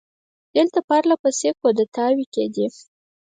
دلته پر له پسې کودتاوې کېدې.